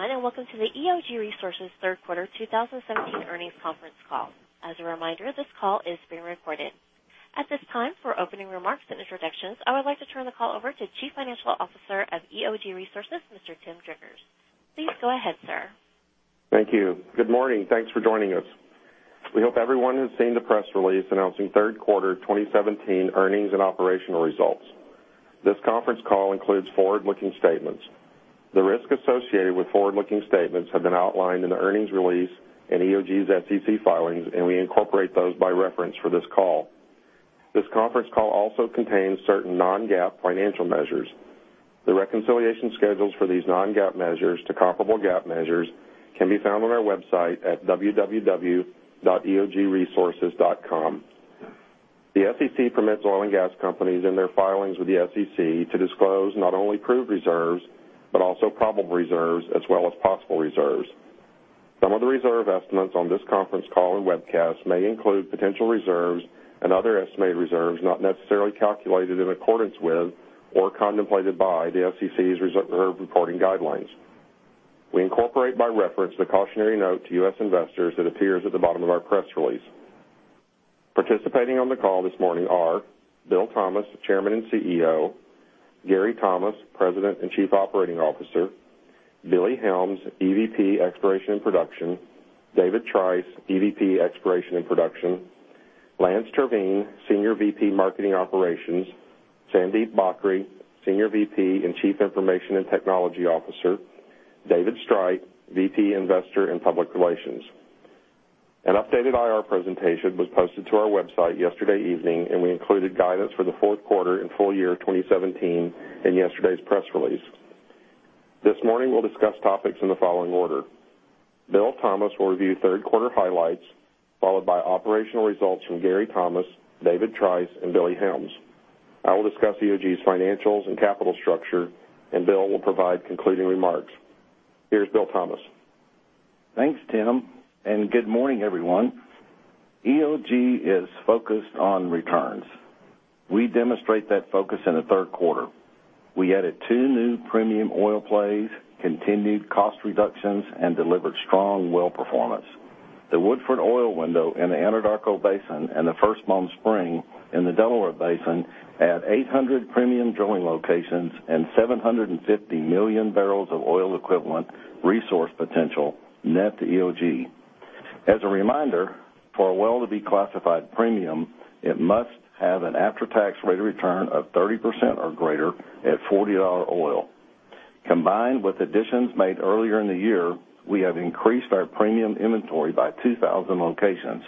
Good morning, welcome to the EOG Resources third quarter 2017 earnings conference call. As a reminder, this call is being recorded. At this time, for opening remarks and introductions, I would like to turn the call over to Chief Financial Officer of EOG Resources, Mr. Tim Driggers. Please go ahead, sir. Thank you. Good morning. Thanks for joining us. We hope everyone has seen the press release announcing third quarter 2017 earnings and operational results. This conference call includes forward-looking statements. The risks associated with forward-looking statements have been outlined in the earnings release and EOG's SEC filings, we incorporate those by reference for this call. This conference call also contains certain non-GAAP financial measures. The reconciliation schedules for these non-GAAP measures to comparable GAAP measures can be found on our website at www.eogresources.com. The SEC permits oil and gas companies, in their filings with the SEC, to disclose not only proved reserves, but also probable reserves, as well as possible reserves. Some of the reserve estimates on this conference call and webcast may include potential reserves and other estimated reserves not necessarily calculated in accordance with or contemplated by the SEC's reserve reporting guidelines. We incorporate by reference the cautionary note to U.S. investors that appears at the bottom of our press release. Participating on the call this morning are Bill Thomas, Chairman and CEO; Gary Thomas, President and Chief Operating Officer; Billy Helms, EVP, Exploration and Production; David Trice, EVP, Exploration and Production; Lance Terveen, Senior VP, Marketing; Sandeep Bhakhri, Senior VP and Chief Information and Technology Officer; David Streit, VP, Investor and Public Relations. An updated IR presentation was posted to our website yesterday evening, we included guidance for the fourth quarter and full year 2017 in yesterday's press release. This morning, we'll discuss topics in the following order. Bill Thomas will review third quarter highlights, followed by operational results from Gary Thomas, David Trice, and Billy Helms. I will discuss EOG's financials and capital structure, Bill will provide concluding remarks. Here's Bill Thomas. Thanks, Tim, good morning, everyone. EOG is focused on returns. We demonstrate that focus in the third quarter. We added two new premium oil plays, continued cost reductions, delivered strong well performance. The Woodford Oil Window in the Anadarko Basin and the First Bone Spring in the Delaware Basin add 800 premium drilling locations and 750 million barrels of oil equivalent resource potential net to EOG. As a reminder, for a well to be classified premium, it must have an after-tax rate of return of 30% or greater at $40 oil. Combined with additions made earlier in the year, we have increased our premium inventory by 2,000 locations,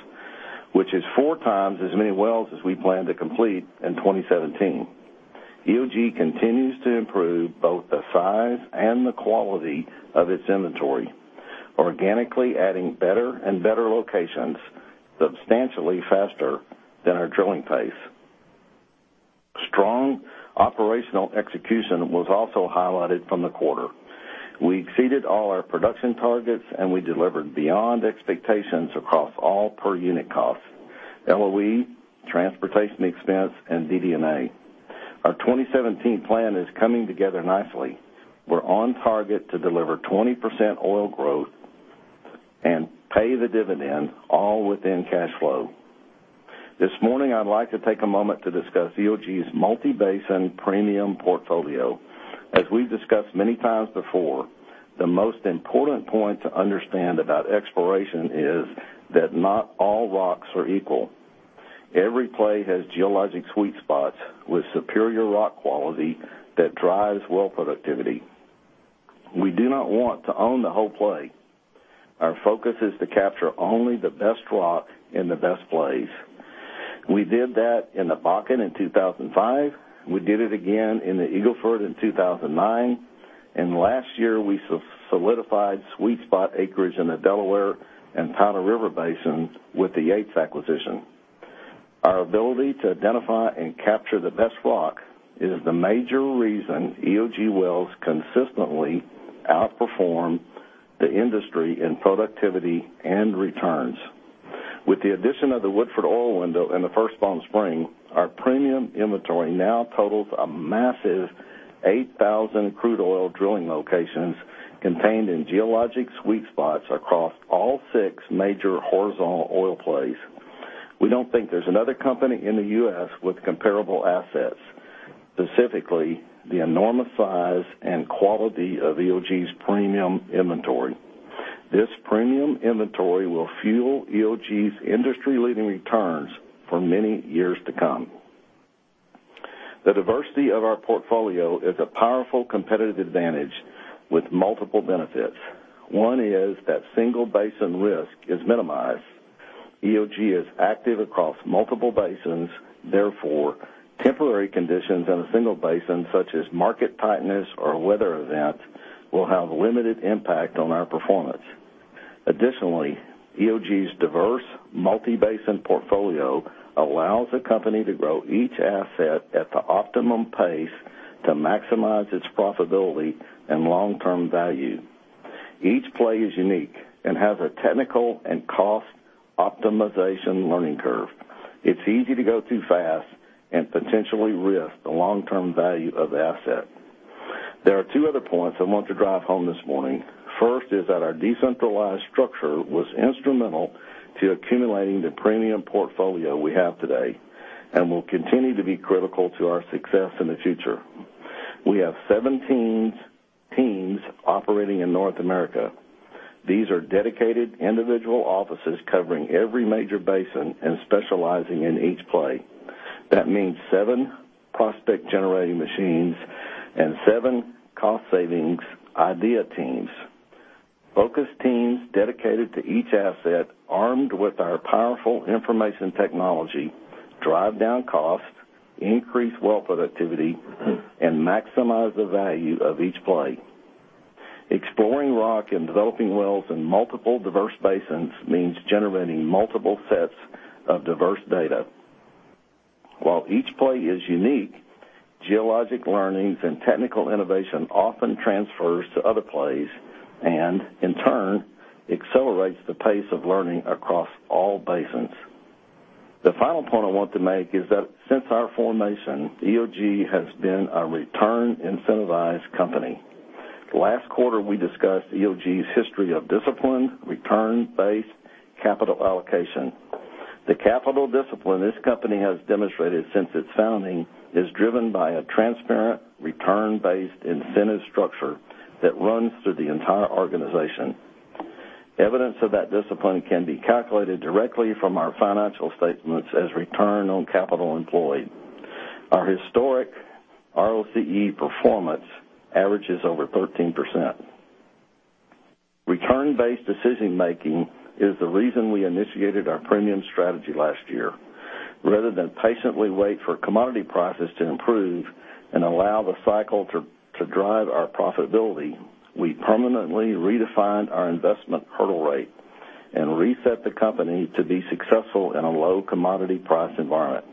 which is four times as many wells as we plan to complete in 2017. EOG continues to improve both the size and the quality of its inventory, organically adding better and better locations substantially faster than our drilling pace. Strong operational execution was also highlighted from the quarter. We exceeded all our production targets. We delivered beyond expectations across all per unit costs, LOE, transportation expense, and DD&A. Our 2017 plan is coming together nicely. We're on target to deliver 20% oil growth and pay the dividend, all within cash flow. This morning, I'd like to take a moment to discuss EOG's multi-basin premium portfolio. As we've discussed many times before, the most important point to understand about exploration is that not all rocks are equal. Every play has geologic sweet spots with superior rock quality that drives well productivity. We do not want to own the whole play. Our focus is to capture only the best rock in the best plays. We did that in the Bakken in 2005. We did it again in the Eagle Ford in 2009. Last year, we solidified sweet spot acreage in the Delaware and Powder River Basins with the Yates acquisition. Our ability to identify and capture the best rock is the major reason EOG wells consistently outperform the industry in productivity and returns. With the addition of the Woodford Oil Window and the First Bone Spring, our premium inventory now totals a massive 8,000 crude oil drilling locations contained in geologic sweet spots across all six major horizontal oil plays. We don't think there's another company in the U.S. with comparable assets, specifically the enormous size and quality of EOG's premium inventory. This premium inventory will fuel EOG's industry-leading returns for many years to come. The diversity of our portfolio is a powerful competitive advantage with multiple benefits. One is that single basin risk is minimized. EOG is active across multiple basins. Therefore, temporary conditions in a single basin, such as market tightness or weather events, will have limited impact on our performance. Additionally, EOG's diverse multi-basin portfolio allows the company to grow each asset at the optimum pace to maximize its profitability and long-term value. Each play is unique and has a technical and cost optimization learning curve. It's easy to go too fast and potentially risk the long-term value of the asset. There are two other points I want to drive home this morning. First is that our decentralized structure was instrumental to accumulating the premium portfolio we have today and will continue to be critical to our success in the future. We have 17 teams operating in North America. These are dedicated individual offices covering every major basin and specializing in each play. That means seven prospect-generating machines and seven cost-savings idea teams. Focused teams dedicated to each asset, armed with our powerful information technology, drive down costs, increase well productivity, and maximize the value of each play. Exploring rock and developing wells in multiple diverse basins means generating multiple sets of diverse data. While each play is unique, geologic learnings and technical innovation often transfers to other plays and, in turn, accelerates the pace of learning across all basins. The final point I want to make is that since our formation, EOG has been a return-incentivized company. Last quarter, we discussed EOG's history of discipline, return-based capital allocation. The capital discipline this company has demonstrated since its founding is driven by a transparent, return-based incentive structure that runs through the entire organization. Evidence of that discipline can be calculated directly from our financial statements as return on capital employed. Our historic ROCE performance averages over 13%. Return-based decision making is the reason we initiated our premium strategy last year. Rather than patiently wait for commodity prices to improve and allow the cycle to drive our profitability, we permanently redefined our investment hurdle rate and reset the company to be successful in a low commodity price environment.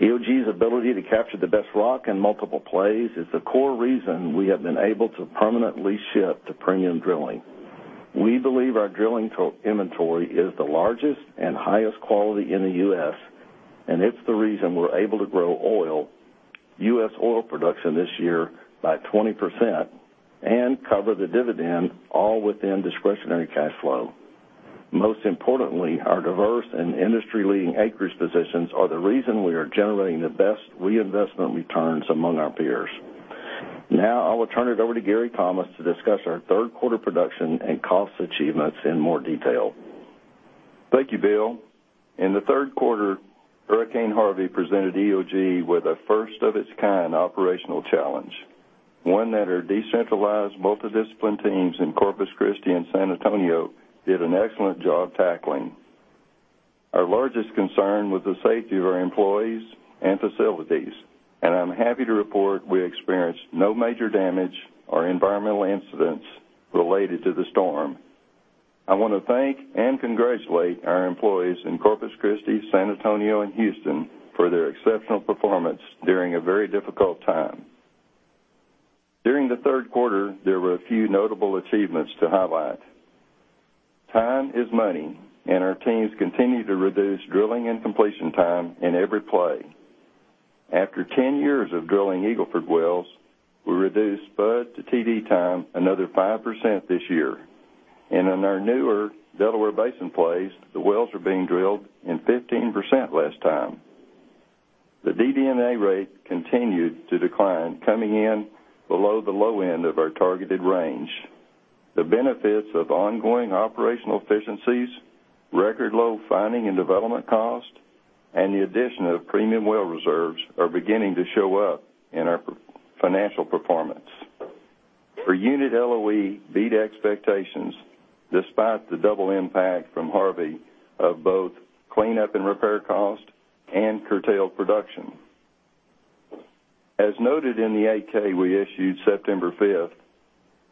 EOG's ability to capture the best rock in multiple plays is the core reason we have been able to permanently shift to premium drilling. We believe our drilling inventory is the largest and highest quality in the U.S., and it's the reason we're able to grow U.S. oil production this year by 20% and cover the dividend, all within discretionary cash flow. Most importantly, our diverse and industry-leading acreage positions are the reason we are generating the best reinvestment returns among our peers. I will turn it over to Gary Thomas to discuss our third quarter production and cost achievements in more detail. Thank you, Bill. In the third quarter, Hurricane Harvey presented EOG with a first-of-its-kind operational challenge, one that our decentralized multidisciplined teams in Corpus Christi and San Antonio did an excellent job tackling. Our largest concern was the safety of our employees and facilities. I'm happy to report we experienced no major damage or environmental incidents related to the storm. I want to thank and congratulate our employees in Corpus Christi, San Antonio, and Houston for their exceptional performance during a very difficult time. During the third quarter, there were a few notable achievements to highlight. Time is money. Our teams continue to reduce drilling and completion time in every play. After ten years of drilling Eagle Ford wells, we reduced spud to TD time another 5% this year. In our newer Delaware Basin plays, the wells are being drilled in 15% less time. The DD&A rate continued to decline, coming in below the low end of our targeted range. The benefits of ongoing operational efficiencies, record low finding and development cost, and the addition of premium well reserves are beginning to show up in our financial performance. Per unit LOE beat expectations, despite the double impact from Harvey of both cleanup and repair cost and curtailed production. As noted in the 8-K we issued September 5th,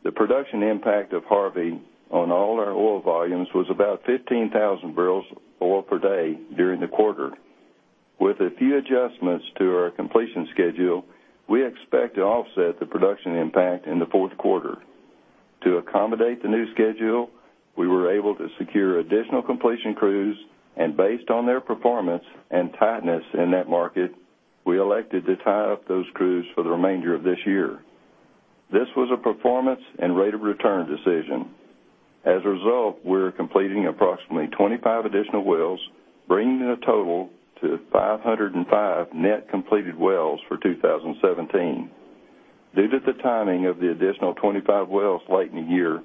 the production impact of Harvey on all our oil volumes was about 15,000 barrels of oil per day during the quarter. With a few adjustments to our completion schedule, we expect to offset the production impact in the fourth quarter. To accommodate the new schedule, we were able to secure additional completion crews. Based on their performance and tightness in that market, we elected to tie up those crews for the remainder of this year. This was a performance and rate of return decision. As a result, we are completing approximately 25 additional wells, bringing the total to 505 net completed wells for 2017. Due to the timing of the additional 25 wells late in the year,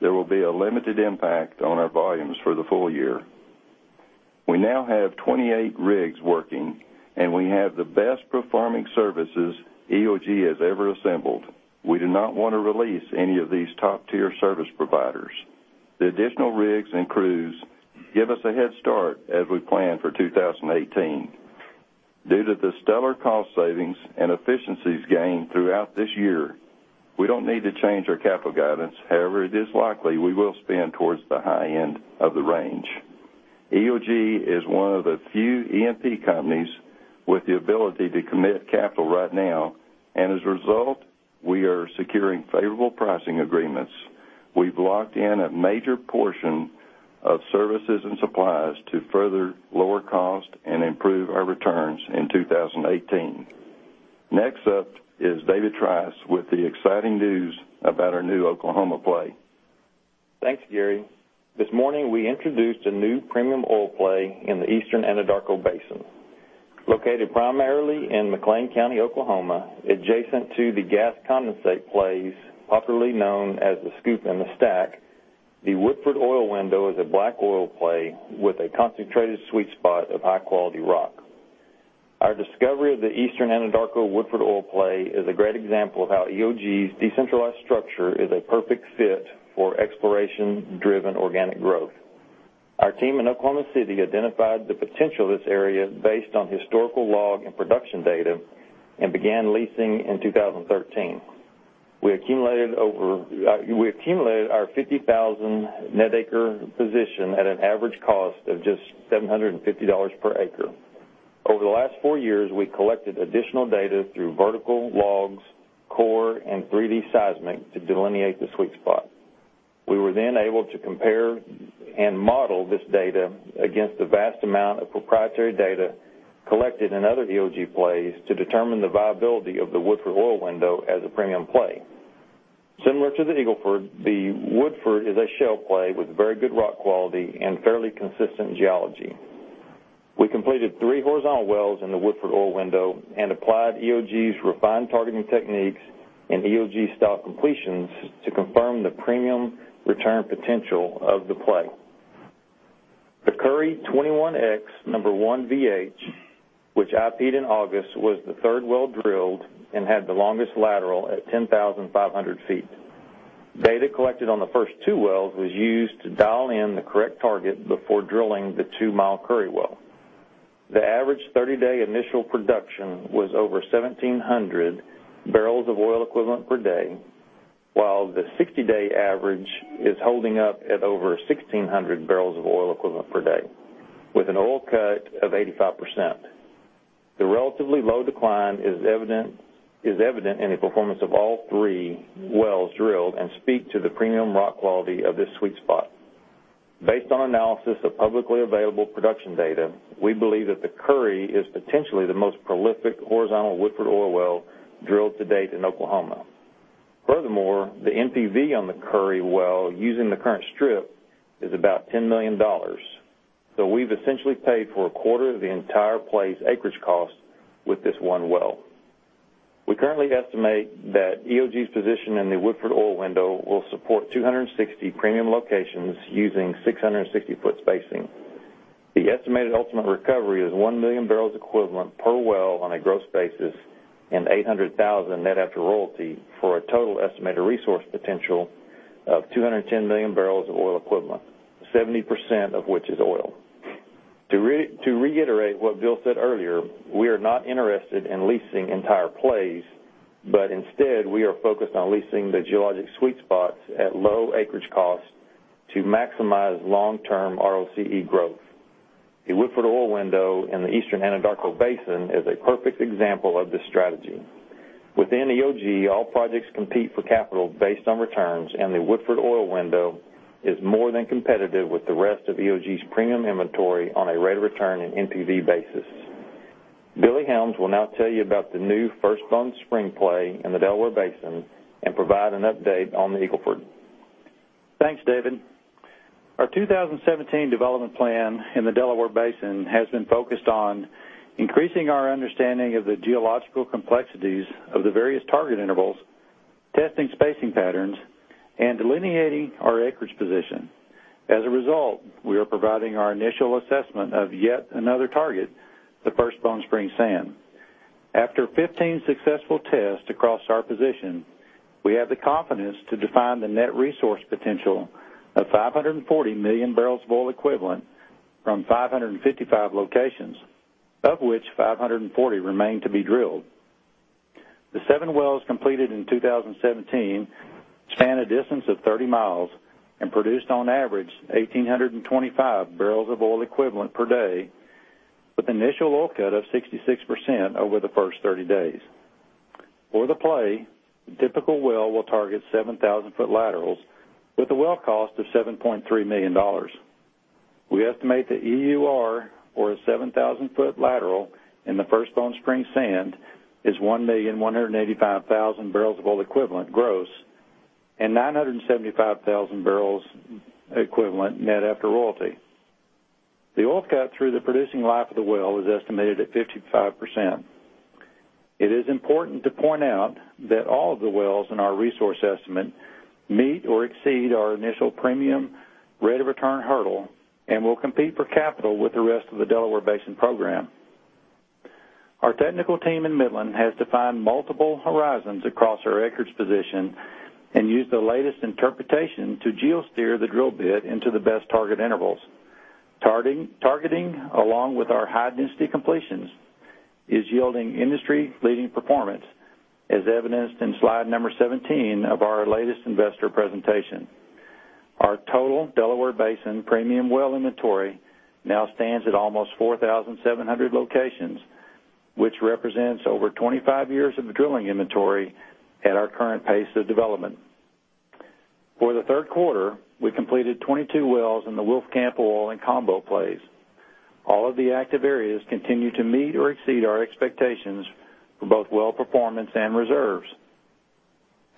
there will be a limited impact on our volumes for the full year. We now have 28 rigs working, and we have the best performing services EOG has ever assembled. We do not want to release any of these top-tier service providers. The additional rigs and crews give us a head start as we plan for 2018. Due to the stellar cost savings and efficiencies gained throughout this year, we don't need to change our capital guidance. However, it is likely we will spend towards the high end of the range. EOG is one of the few E&P companies with the ability to commit capital right now, and as a result, we are securing favorable pricing agreements. We've locked in a major portion of services and supplies to further lower cost and improve our returns in 2018. Next up is David Trice with the exciting news about our new Oklahoma play. Thanks, Gary. This morning, we introduced a new premium oil play in the Eastern Anadarko Basin. Located primarily in McClain County, Oklahoma, adjacent to the gas condensate plays, popularly known as the SCOOP and the STACK, the Woodford Oil Window is a black oil play with a concentrated sweet spot of high-quality rock. Our discovery of the Eastern Anadarko Woodford Oil play is a great example of how EOG's decentralized structure is a perfect fit for exploration-driven organic growth. Our team in Oklahoma City identified the potential of this area based on historical log and production data and began leasing in 2013. We accumulated our 50,000 net acre position at an average cost of just $750 per acre. Over the last four years, we collected additional data through vertical logs, core, and 3D seismic to delineate the sweet spot. We were then able to compare and model this data against the vast amount of proprietary data collected in other EOG plays to determine the viability of the Woodford Oil Window as a premium play. Similar to the Eagle Ford, the Woodford is a shale play with very good rock quality and fairly consistent geology. We completed three horizontal wells in the Woodford Oil Window and applied EOG's refined targeting techniques and EOG style completions to confirm the premium return potential of the play. The Curry 21X number one VH, which IP'd in August, was the third well drilled and had the longest lateral at 10,500 feet. Data collected on the first two wells was used to dial in the correct target before drilling the two-mile Curry Well. The average 30-day initial production was over 1,700 barrels of oil equivalent per day, while the 60-day average is holding up at over 1,600 barrels of oil equivalent per day with an oil cut of 85%. The relatively low decline is evident in the performance of all three wells drilled and speak to the premium rock quality of this sweet spot. Based on analysis of publicly available production data, we believe that the Curry is potentially the most prolific horizontal Woodford Oil Well drilled to date in Oklahoma. Furthermore, the NPV on the Curry Well using the current strip is about $10 million. We've essentially paid for a quarter of the entire play's acreage cost with this one well. We currently estimate that EOG's position in the Woodford Oil Window will support 260 premium locations using 660-foot spacing. The estimated ultimate recovery is 1 million barrels equivalent per well on a gross basis and 800,000 net after royalty, for a total estimated resource potential of 210 million barrels of oil equivalent, 70% of which is oil. To reiterate what Bill said earlier, we are not interested in leasing entire plays, but instead, we are focused on leasing the geologic sweet spots at low acreage costs to maximize long-term ROCE growth. The Woodford Oil Window in the Eastern Anadarko Basin is a perfect example of this strategy. Within EOG, all projects compete for capital based on returns. The Woodford Oil Window is more than competitive with the rest of EOG's premium inventory on a rate of return and NPV basis. Billy Helms will now tell you about the new First Bone Spring play in the Delaware Basin and provide an update on the Eagle Ford. Thanks, David. Our 2017 development plan in the Delaware Basin has been focused on increasing our understanding of the geological complexities of the various target intervals, testing spacing patterns, and delineating our acreage position. As a result, we are providing our initial assessment of yet another target, the First Bone Spring Sand. After 15 successful tests across our position, we have the confidence to define the net resource potential of 540 million barrels of oil equivalent from 555 locations, of which 540 remain to be drilled. The seven wells completed in 2017 span a distance of 30 miles and produced on average 1,825 barrels of oil equivalent per day, with initial oil cut of 66% over the first 30 days. For the play, the typical well will target 7,000-foot laterals with a well cost of $7.3 million. We estimate the EUR for a 7,000-foot lateral in the First Bone Spring Sand is 1,185,000 barrels of oil equivalent gross and 975,000 barrels equivalent net after royalty. The oil cut through the producing life of the well is estimated at 55%. It is important to point out that all of the wells in our resource estimate meet or exceed our initial premium rate of return hurdle and will compete for capital with the rest of the Delaware Basin program. Our technical team in Midland has defined multiple horizons across our acreage position and used the latest interpretation to geo-steer the drill bit into the best target intervals. Targeting, along with our high-density completions, is yielding industry-leading performance, as evidenced in slide number 17 of our latest investor presentation. Our total Delaware Basin premium well inventory now stands at almost 4,700 locations, which represents over 25 years of drilling inventory at our current pace of development. For the third quarter, we completed 22 wells in the Wolfcamp Oil and Combo plays. All of the active areas continue to meet or exceed our expectations for both well performance and reserves.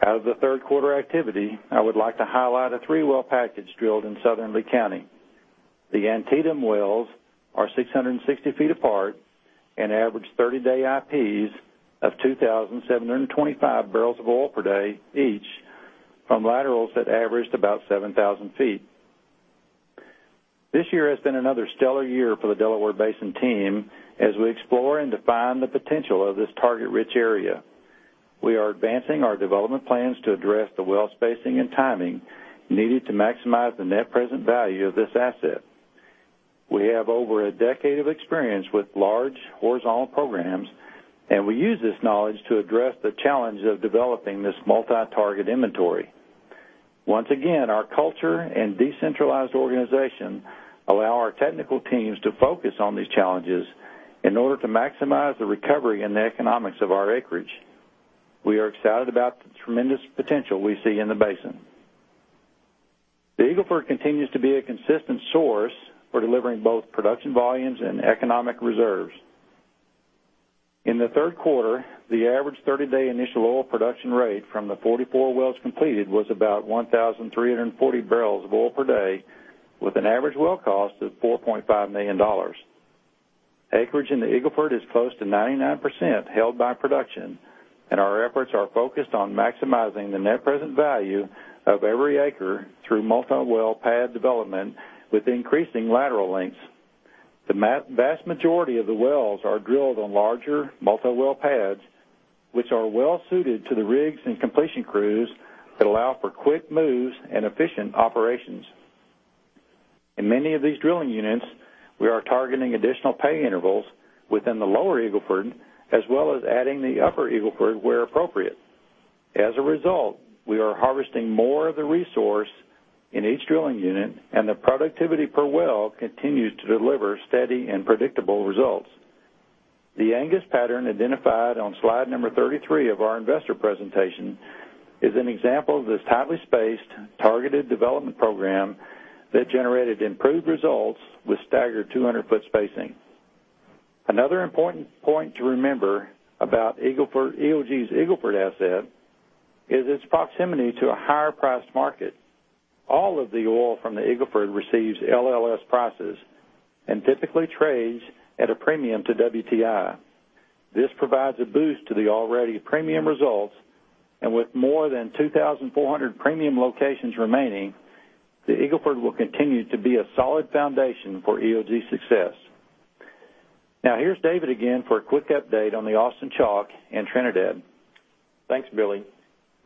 Out of the third quarter activity, I would like to highlight a three-well package drilled in southern Lea County. The Antietam wells are 660 feet apart and average 30-day IPs of 2,725 barrels of oil per day, each from laterals that averaged about 7,000 feet. This year has been another stellar year for the Delaware Basin team, as we explore and define the potential of this target-rich area. We are advancing our development plans to address the well spacing and timing needed to maximize the net present value of this asset. We have over a decade of experience with large horizontal programs. We use this knowledge to address the challenge of developing this multi-target inventory. Once again, our culture and decentralized organization allow our technical teams to focus on these challenges in order to maximize the recovery and the economics of our acreage. We are excited about the tremendous potential we see in the basin. The Eagle Ford continues to be a consistent source for delivering both production volumes and economic reserves. In the third quarter, the average 30-day initial oil production rate from the 44 wells completed was about 1,340 barrels of oil per day, with an average well cost of $4.5 million. Acreage in the Eagle Ford is close to 99% held by production. Our efforts are focused on maximizing the net present value of every acre through multi-well pad development with increasing lateral lengths. The vast majority of the wells are drilled on larger multi-well pads, which are well suited to the rigs and completion crews that allow for quick moves and efficient operations. In many of these drilling units, we are targeting additional pay intervals within the lower Eagle Ford, as well as adding the upper Eagle Ford, where appropriate. As a result, we are harvesting more of the resource in each drilling unit, and the productivity per well continues to deliver steady and predictable results. The Angus pattern identified on slide number 33 of our investor presentation is an example of this tightly spaced, targeted development program that generated improved results with staggered 200-foot spacing. Another important point to remember about EOG's Eagle Ford asset is its proximity to a higher priced market. All of the oil from the Eagle Ford receives LLS prices and typically trades at a premium to WTI. This provides a boost to the already premium results, and with more than 2,400 premium locations remaining, the Eagle Ford will continue to be a solid foundation for EOG's success. Now here's David again for a quick update on the Austin Chalk and Trinidad. Thanks, Billy.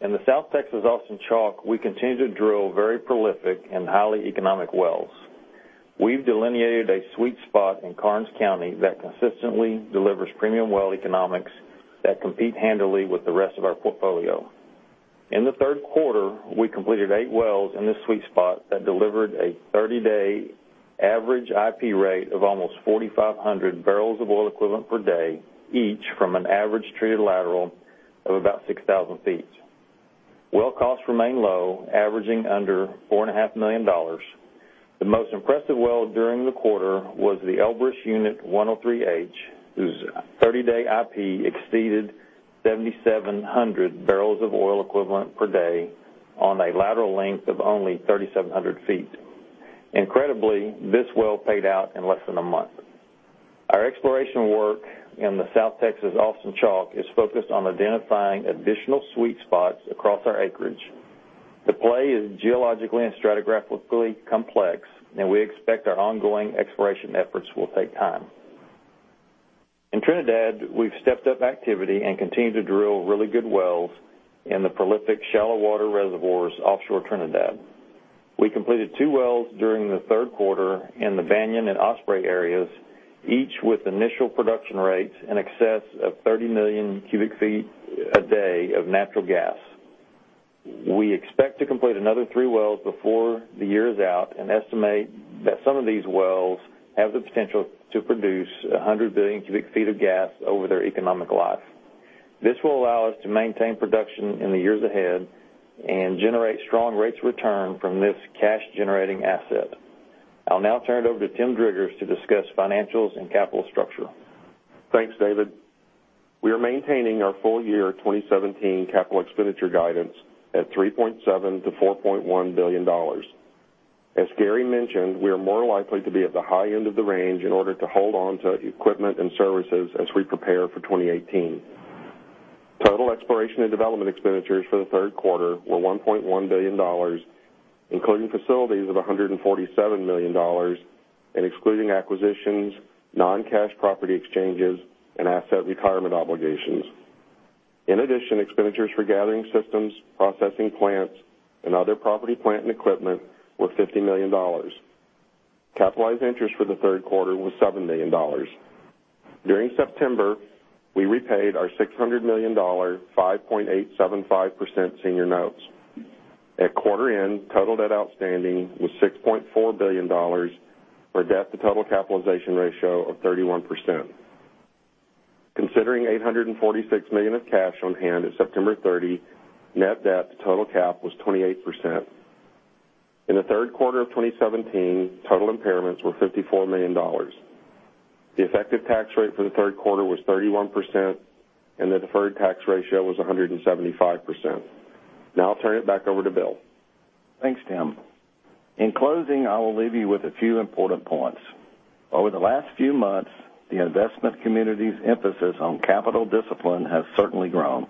In the South Texas Austin Chalk, we continue to drill very prolific and highly economic wells. We've delineated a sweet spot in Karnes County that consistently delivers premium well economics that compete handily with the rest of our portfolio. In the third quarter, we completed eight wells in this sweet spot that delivered a 30-day average IP rate of almost 4,500 barrels of oil equivalent per day, each from an average treated lateral of about 6,000 feet. Well costs remain low, averaging under $4.5 million. The most impressive well during the quarter was the Elbrus Unit 103H, whose 30-day IP exceeded 7,700 barrels of oil equivalent per day on a lateral length of only 3,700 feet. Incredibly, this well paid out in less than a month. Our exploration work in the South Texas Austin Chalk is focused on identifying additional sweet spots across our acreage. The play is geologically and stratigraphically complex. We expect our ongoing exploration efforts will take time. In Trinidad, we've stepped up activity and continue to drill really good wells in the prolific shallow water reservoirs offshore Trinidad. We completed two wells during the third quarter in the Banyan and Osprey areas, each with initial production rates in excess of 30 million cubic feet a day of natural gas. We expect to complete another three wells before the year is out and estimate that some of these wells have the potential to produce 100 billion cubic feet of gas over their economic life. This will allow us to maintain production in the years ahead and generate strong rates of return from this cash-generating asset. I'll now turn it over to Tim Driggers to discuss financials and capital structure. Thanks, David. We are maintaining our full year 2017 capital expenditure guidance at $3.7 billion-$4.1 billion. As Gary mentioned, we are more likely to be at the high end of the range in order to hold on to equipment and services as we prepare for 2018. Total exploration and development expenditures for the third quarter were $1.1 billion, including facilities of $147 million and excluding acquisitions, non-cash property exchanges, and asset retirement obligations. In addition, expenditures for gathering systems, processing plants, and other property, plant, and equipment were $50 million. Capitalized interest for the third quarter was $7 million. During September, we repaid our $600 million, 5.875% senior notes. At quarter end, total debt outstanding was $6.4 billion, for a debt-to-total capitalization ratio of 31%. Considering $846 million of cash on hand at September 30, net debt to total cap was 28%. In the third quarter of 2017, total impairments were $54 million. The effective tax rate for the third quarter was 31%, and the deferred tax ratio was 175%. I'll turn it back over to Bill. Thanks, Tim. In closing, I will leave you with a few important points. Over the last few months, the investment community's emphasis on capital discipline has certainly grown.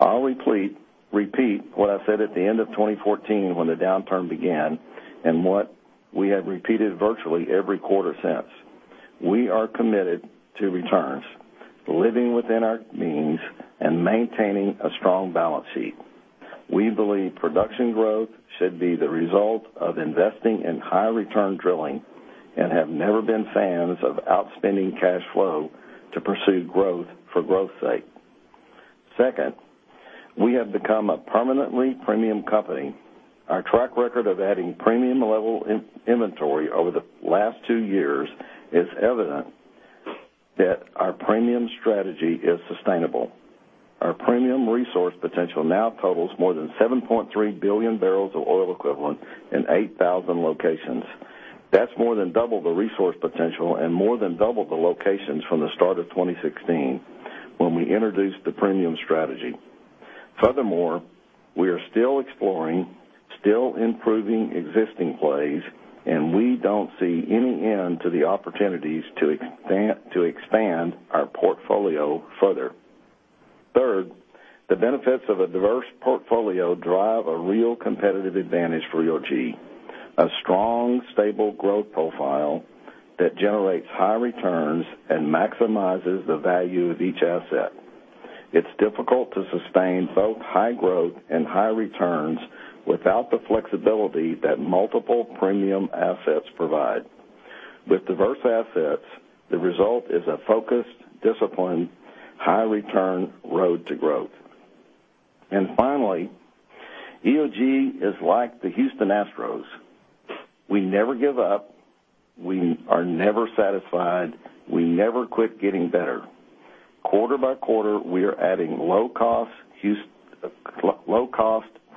I'll repeat what I said at the end of 2014 when the downturn began, and what we have repeated virtually every quarter since. We are committed to returns, living within our means, and maintaining a strong balance sheet. We believe production growth should be the result of investing in high return drilling, and have never been fans of outspending cash flow to pursue growth for growth's sake. Second, we have become a permanently premium company. Our track record of adding premium level inventory over the last two years is evident that our premium strategy is sustainable. Our premium resource potential now totals more than 7.3 billion barrels of oil equivalent in 8,000 locations. That's more than double the resource potential and more than double the locations from the start of 2016, when we introduced the premium strategy. Furthermore, we are still exploring, still improving existing plays, and we don't see any end to the opportunities to expand our portfolio further. Third, the benefits of a diverse portfolio drive a real competitive advantage for EOG. A strong, stable growth profile that generates high returns and maximizes the value of each asset. It's difficult to sustain both high growth and high returns without the flexibility that multiple premium assets provide. With diverse assets, the result is a focused, disciplined, high return road to growth. Finally, EOG is like the Houston Astros. We never give up. We are never satisfied. We never quit getting better. Quarter by quarter, we are adding low cost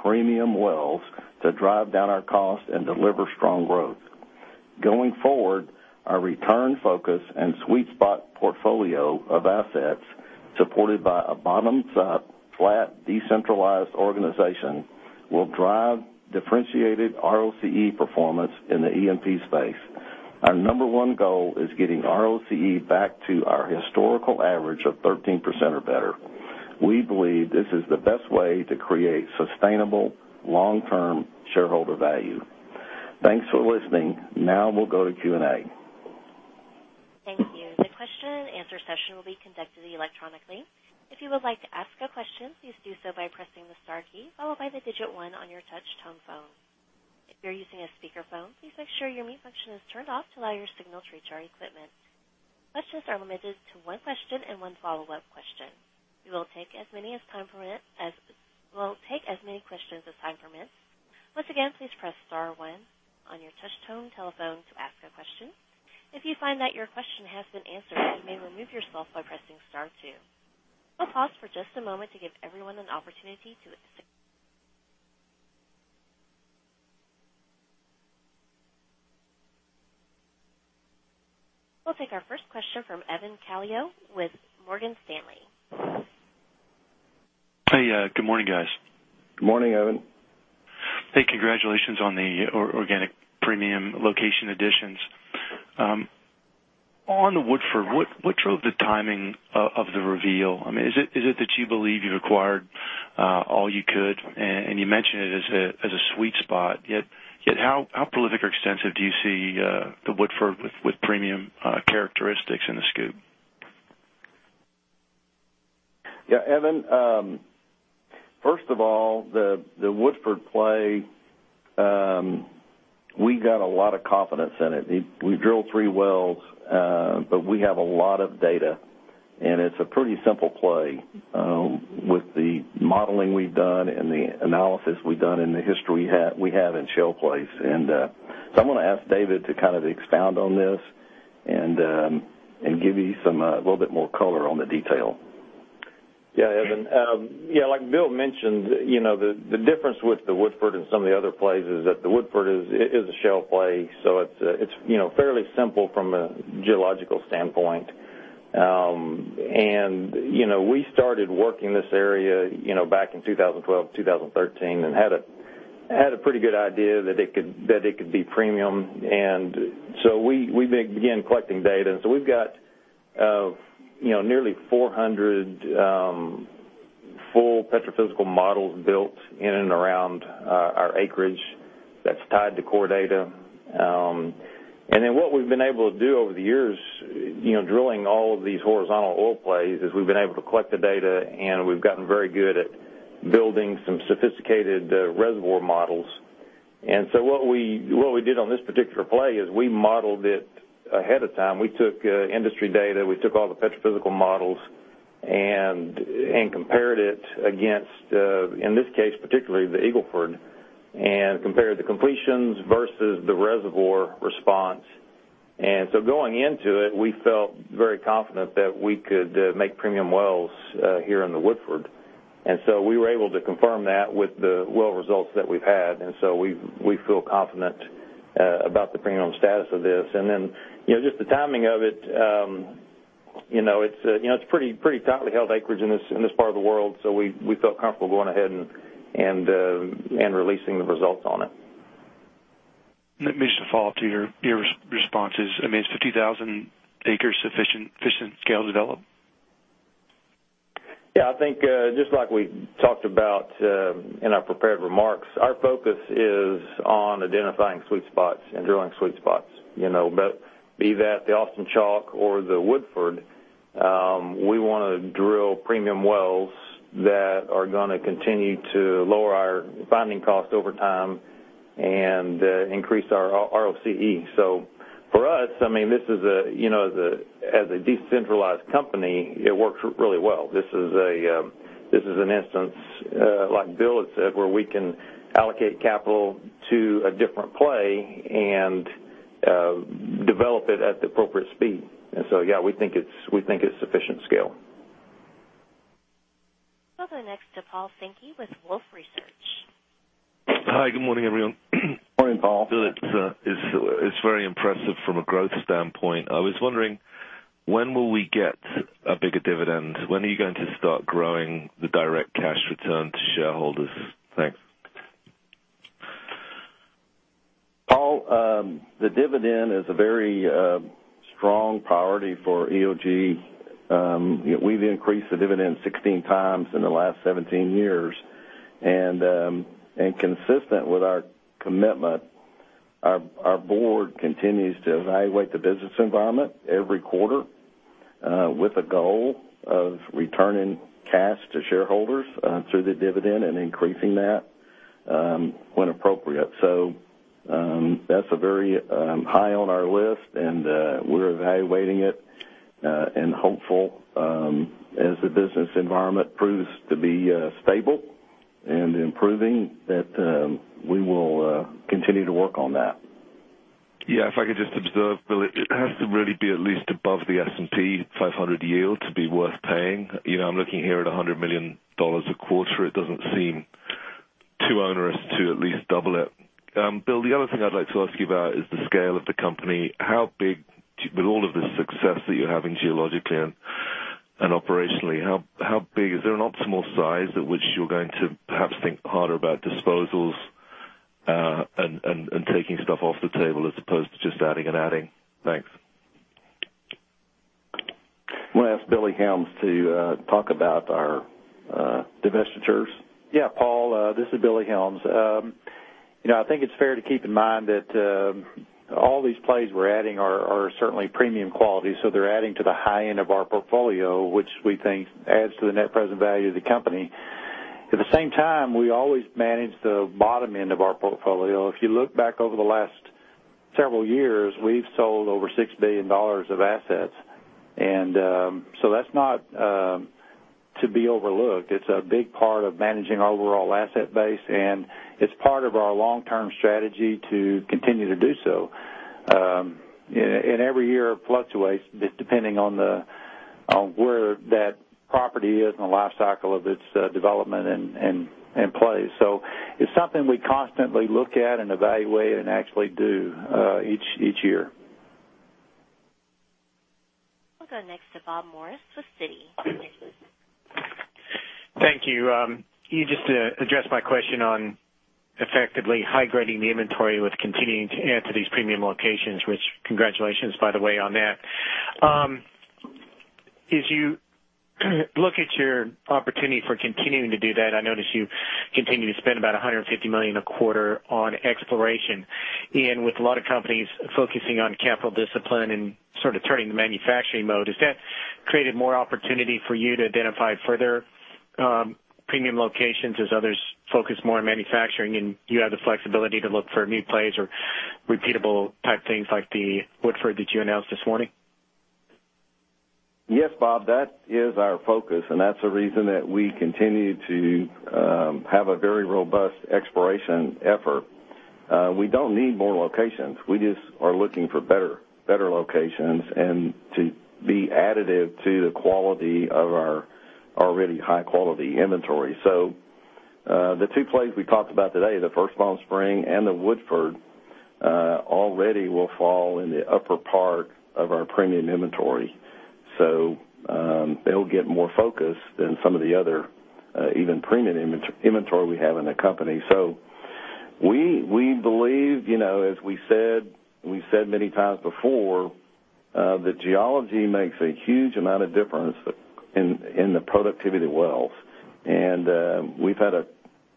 premium wells to drive down our cost and deliver strong growth. Going forward, our return focus and sweet spot portfolio of assets, supported by a bottom up, flat, decentralized organization, will drive differentiated ROCE performance in the E&P space. Our number one goal is getting ROCE back to our historical average of 13% or better. We believe this is the best way to create sustainable long-term shareholder value. Thanks for listening. Now we'll go to Q&A. Thank you. The question and answer session will be conducted electronically. If you would like to ask a question, please do so by pressing the star key, followed by the digit 1 on your touch tone phone. If you're using a speakerphone, please make sure your mute function is turned off to allow your signal to reach our equipment. Questions are limited to one question and one follow-up question. We will take as many questions as time permits. Once again, please press star one on your touch tone telephone to ask a question. If you find that your question has been answered, you may remove yourself by pressing star two. I'll pause for just a moment to give everyone an opportunity to. We'll take our first question from Evan Calio with Morgan Stanley. Hey, good morning, guys. Good morning, Evan. Hey, congratulations on the organic premium location additions. On the Woodford, what drove the timing of the reveal? Is it that you believe you've acquired all you could? You mentioned it as a sweet spot, yet how prolific or extensive do you see the Woodford with premium characteristics in the SCOOP? Yeah, Evan. First of all, the Woodford play, we got a lot of confidence in it. We drilled three wells, but we have a lot of data, and it's a pretty simple play with the modeling we've done and the analysis we've done and the history we have in shale plays. I'm going to ask David to expound on this and give you a little bit more color on the detail. Evan, like Bill mentioned, the difference with the Woodford and some of the other plays is that the Woodford is a shale play, so it's fairly simple from a geological standpoint. We started working this area back in 2012, 2013, and had a pretty good idea that it could be premium. We began collecting data, we've got nearly 400 full petrophysical models built in and around our acreage that's tied to core data. What we've been able to do over the years, drilling all of these horizontal oil plays, is we've been able to collect the data, and we've gotten very good at building some sophisticated reservoir models. What we did on this particular play is we modeled it ahead of time. We took industry data, we took all the petrophysical models and compared it against, in this case, particularly the Eagle Ford, and compared the completions versus the reservoir response. Going into it, we felt very confident that we could make premium wells here in the Woodford. We were able to confirm that with the well results that we've had, we feel confident about the premium status of this. Just the timing of it's pretty tightly held acreage in this part of the world. We felt comfortable going ahead and releasing the results on it. Let me just follow to your responses. Is 50,000 acres sufficient scale to develop? I think, just like we talked about in our prepared remarks, our focus is on identifying sweet spots and drilling sweet spots. Be that the Austin Chalk or the Woodford, we want to drill premium wells that are going to continue to lower our finding cost over time and increase our ROCE. For us, as a decentralized company, it works really well. This is an instance, like Bill had said, where we can allocate capital to a different play and develop it at the appropriate speed. We think it's sufficient scale. We'll go next to Paul Sankey with Wolfe Research. Hi, good morning, everyone. Morning, Paul. Bill, it's very impressive from a growth standpoint. I was wondering when will we get a bigger dividend? When are you going to start growing the direct cash return to shareholders? Thanks. Paul. The dividend is a very strong priority for EOG. We've increased the dividend 16 times in the last 17 years. Consistent with our commitment, our board continues to evaluate the business environment every quarter, with a goal of returning cash to shareholders through the dividend and increasing that when appropriate. That's very high on our list, and we're evaluating it and hopeful as the business environment proves to be stable and improving, that we will continue to work on that. Yeah. If I could just observe, Bill, it has to really be at least above the S&P 500 yield to be worth paying. I'm looking here at $100 million a quarter. It doesn't seem too onerous to at least double it. Bill, the other thing I'd like to ask you about is the scale of the company. With all of the success that you're having geologically and operationally, how big, is there an optimal size at which you're going to perhaps think harder about disposals, and taking stuff off the table as opposed to just adding and adding? Thanks. I'm going to ask Billy Helms to talk about our divestitures. Yeah, Paul, this is Billy Helms. I think it's fair to keep in mind that all these plays we're adding are certainly premium quality, so they're adding to the high end of our portfolio, which we think adds to the net present value of the company. At the same time, we always manage the bottom end of our portfolio. If you look back over the last several years, we've sold over $6 billion of assets. That's not to be overlooked. It's a big part of managing our overall asset base, and it's part of our long-term strategy to continue to do so. Every year it fluctuates depending on where that property is in the life cycle of its development and plays. It's something we constantly look at and evaluate and actually do each year. We'll go next to Bob Morris with Citi. Thank you. You just addressed my question on effectively high-grading the inventory with continuing to add to these premium locations, which congratulations, by the way, on that. As you look at your opportunity for continuing to do that, I notice you continue to spend about $150 million a quarter on exploration. With a lot of companies focusing on capital discipline and sort of turning to manufacturing mode, has that created more opportunity for you to identify further premium locations as others focus more on manufacturing and you have the flexibility to look for new plays or repeatable type things like the Woodford that you announced this morning? Yes, Bob, that is our focus, and that's the reason that we continue to have a very robust exploration effort. We don't need more locations. We just are looking for better locations and to be additive to the quality of our already high-quality inventory. The two plays we talked about today, the First Bone Spring and the Woodford, already will fall in the upper part of our premium inventory. They'll get more focus than some of the other even premium inventory we have in the company. We believe, as we said many times before, that geology makes a huge amount of difference in the productivity wells. We've had a A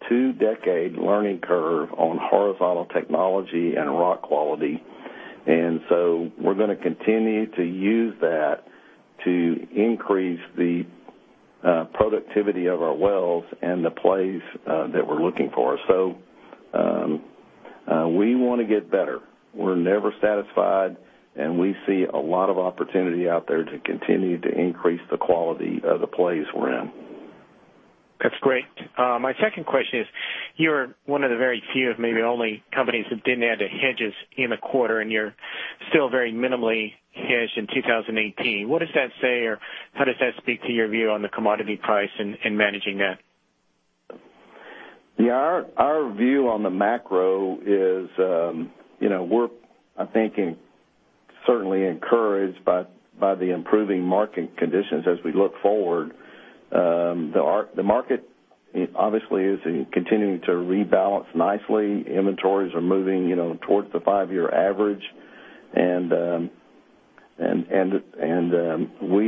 two decade learning curve on horizontal technology and rock quality. We're going to continue to use that to increase the productivity of our wells and the plays that we're looking for. We want to get better. We're never satisfied, and we see a lot of opportunity out there to continue to increase the quality of the plays we're in. That's great. My second question is, you're one of the very few, if maybe only, companies that didn't add hedges in the quarter, and you're still very minimally hedged in 2018. What does that say, or how does that speak to your view on the commodity price and managing that? Yeah, our view on the macro is we're, I think, certainly encouraged by the improving market conditions as we look forward. The market obviously is continuing to rebalance nicely. Inventories are moving towards the five-year average. We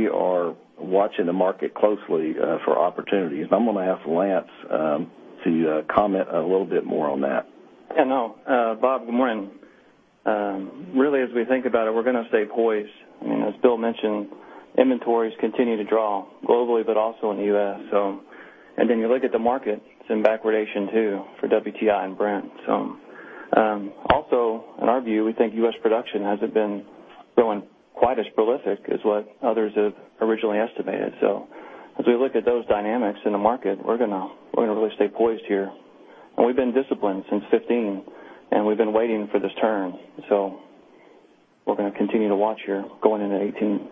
are watching the market closely for opportunities. I'm going to ask Lance to comment a little bit more on that. Yeah, no. Bob, good morning. Really as we think about it, we're going to stay poised. As Bill mentioned, inventories continue to draw globally, but also in the U.S. You look at the market, it's in backwardation, too, for WTI and Brent. Also in our view, we think U.S. production hasn't been growing quite as prolific as what others have originally estimated. As we look at those dynamics in the market, we're going to really stay poised here. We've been disciplined since 2015, and we've been waiting for this turn, so we're going to continue to watch here going into 2018.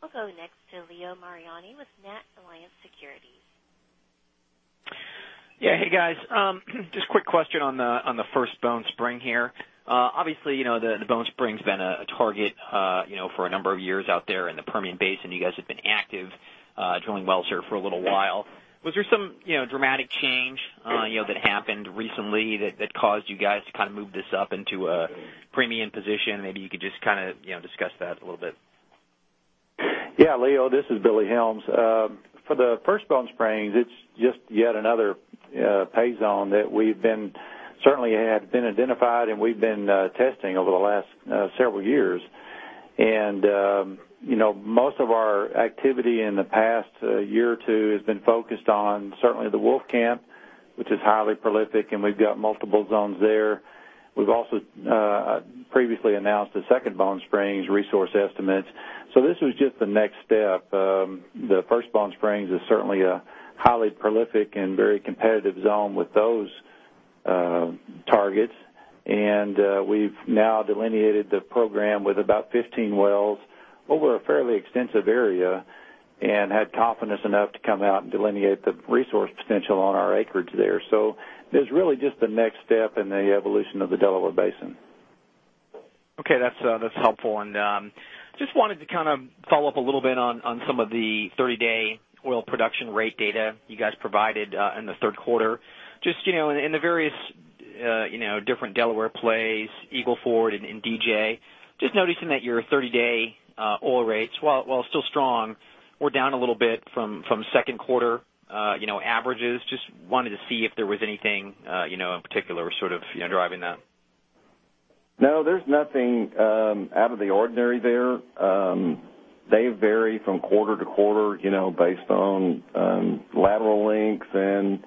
We'll go next to Leo Mariani with NatAlliance Securities. Yeah. Hey, guys. Just a quick question on the First Bone Spring here. Obviously, the Bone Spring's been a target for a number of years out there in the Permian Basin. You guys have been active drilling wells here for a little while. Was there some dramatic change that happened recently that caused you guys to move this up into a premium position? Maybe you could just discuss that a little bit. Yeah, Leo, this is Billy Helms. For the First Bone Springs, it's just yet another pay zone that we've certainly had been identified, and we've been testing over the last several years. Most of our activity in the past year or two has been focused on certainly the Wolfcamp, which is highly prolific, and we've got multiple zones there. We've also previously announced the Second Bone Springs resource estimates. This was just the next step. The First Bone Springs is certainly a highly prolific and very competitive zone with those targets, and we've now delineated the program with about 15 wells over a fairly extensive area and had confidence enough to come out and delineate the resource potential on our acreage there. It's really just the next step in the evolution of the Delaware Basin. Okay. That's helpful. Just wanted to follow up a little bit on some of the 30-day oil production rate data you guys provided in the third quarter. Just in the various different Delaware plays, Eagle Ford and DJ, just noticing that your 30-day oil rates, while still strong, were down a little bit from second quarter averages. Just wanted to see if there was anything in particular driving that. No, there's nothing out of the ordinary there. They vary from quarter to quarter based on lateral lengths and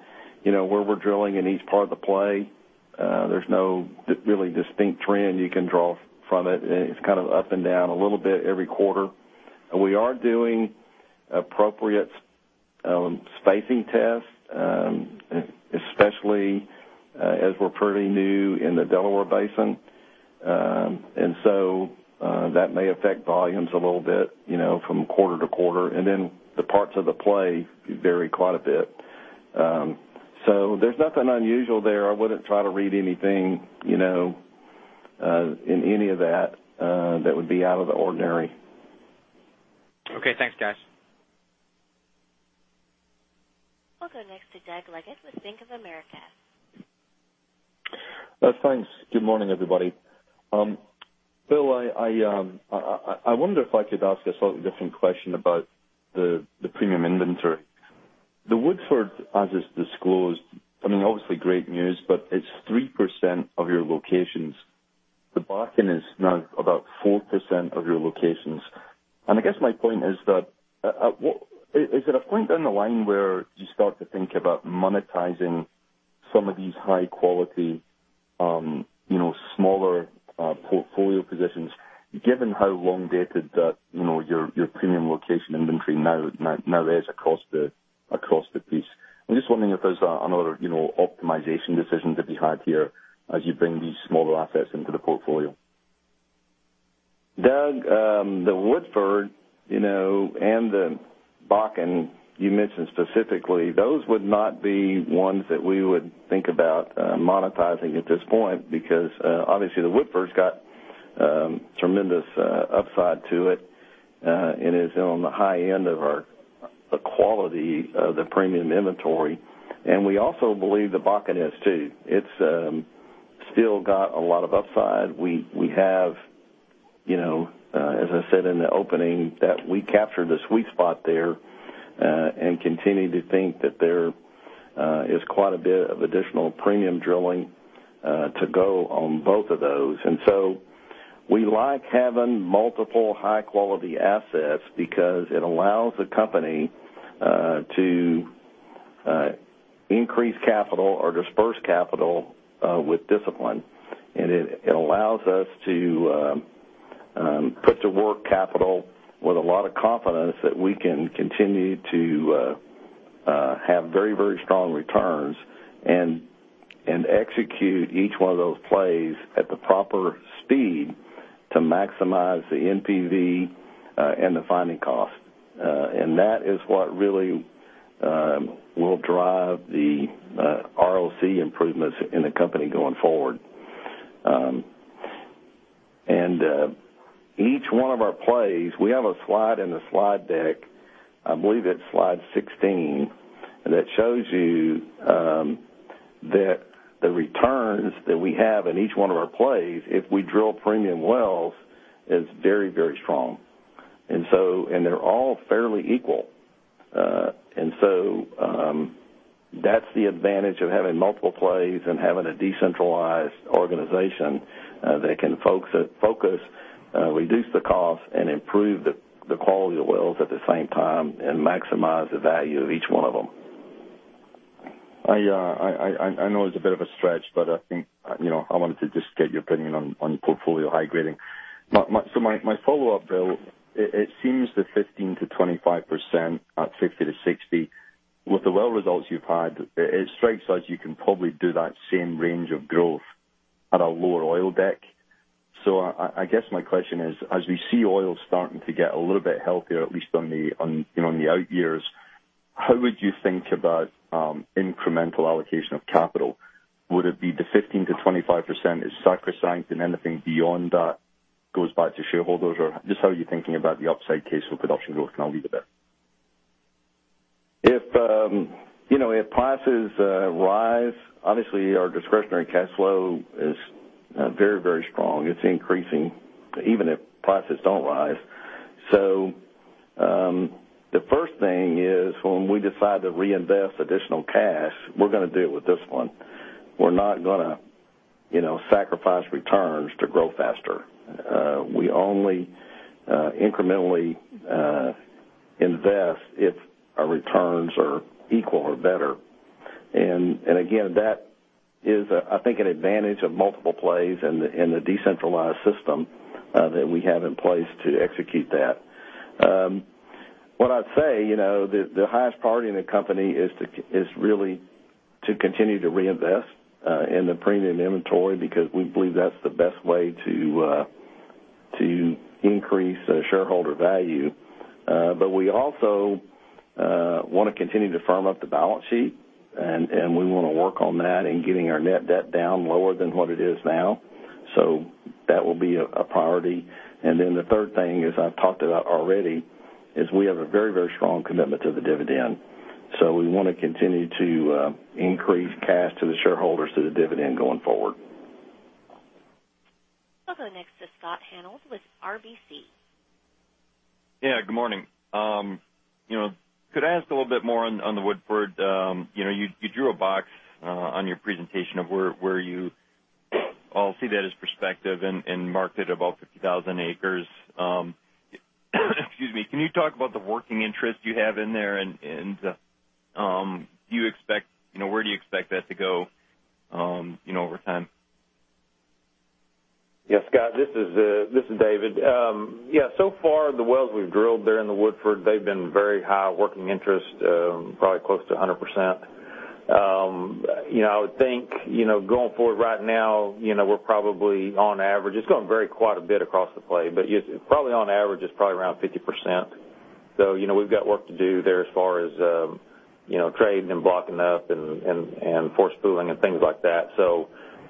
where we're drilling in each part of the play. There's no really distinct trend you can draw from it. It's up and down a little bit every quarter. We are doing appropriate spacing tests, especially as we're pretty new in the Delaware Basin. That may affect volumes a little bit from quarter to quarter, and then the parts of the play vary quite a bit. There's nothing unusual there. I wouldn't try to read anything in any of that that would be out of the ordinary. Okay, thanks guys. I'll go next to Doug Leggate with Bank of America. Thanks. Good morning, everybody. Bill, I wonder if I could ask a slightly different question about the premium inventory. The Woodford, as is disclosed, I mean, obviously great news, but it's 3% of your locations. The Bakken is now about 4% of your locations. I guess my point is that, is there a point down the line where you start to think about monetizing some of these high quality smaller portfolio positions, given how long dated that your premium location inventory now is across the piece? I'm just wondering if there's another optimization decision to be had here as you bring these smaller assets into the portfolio. Doug, the Woodford and the Bakken you mentioned specifically, those would not be ones that we would think about monetizing at this point because obviously the Woodford's got tremendous upside to it and is on the high end of our quality of the premium inventory. We also believe the Bakken is too. It's still got a lot of upside. We have As I said in the opening, that we captured the sweet spot there, continue to think that there is quite a bit of additional premium drilling to go on both of those. We like having multiple high-quality assets because it allows the company to increase capital or disperse capital with discipline. It allows us to put to work capital with a lot of confidence that we can continue to have very strong returns and execute each one of those plays at the proper speed to maximize the NPV and the finding cost. That is what really will drive the ROC improvements in the company going forward. Each one of our plays, we have a slide in the slide deck, I believe it's slide 16, that shows you that the returns that we have in each one of our plays, if we drill premium wells, is very strong. They're all fairly equal. That's the advantage of having multiple plays and having a decentralized organization that can focus, reduce the cost, improve the quality of the wells at the same time, maximize the value of each one of them. I know it's a bit of a stretch, but I wanted to just get your opinion on portfolio high grading. My follow-up, Bill, it seems that 15%-25% at $50-$60, with the well results you've had, it strikes us you can probably do that same range of growth at a lower oil deck. I guess my question is, as we see oil starting to get a little bit healthier, at least on the out years, how would you think about incremental allocation of capital? Would it be the 15%-25% is sacrosanct and anything beyond that goes back to shareholders? Just how are you thinking about the upside case for production growth? I'll leave it there. If prices rise, obviously our discretionary cash flow is very strong. It's increasing even if prices don't rise. The first thing is when we decide to reinvest additional cash, we're going to do it with this one. We're not going to sacrifice returns to grow faster. We only incrementally invest if our returns are equal or better. Again, that is, I think, an advantage of multiple plays and the decentralized system that we have in place to execute that. What I'd say, the highest priority in the company is really to continue to reinvest in the premium inventory, because we believe that's the best way to increase shareholder value. We also want to continue to firm up the balance sheet, we want to work on that and getting our net debt down lower than what it is now. That will be a priority. The third thing, as I've talked about already, is we have a very strong commitment to the dividend. We want to continue to increase cash to the shareholders through the dividend going forward. We'll go next to Scott Hanold with RBC. Good morning. Could I ask a little bit more on the Woodford? You drew a box on your presentation of where you all see that as perspective and marked it about 50,000 acres. Excuse me. Can you talk about the working interest you have in there, and where do you expect that to go over time? Yes, Scott, this is David. Far the wells we've drilled there in the Woodford, they've been very high working interest, probably close to 100%. I would think, going forward right now, we're probably on average, it's going to vary quite a bit across the play, but probably on average, it's probably around 50%. We've got work to do there as far as trading and blocking up and force pooling and things like that.